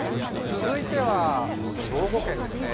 続いては兵庫県ですね。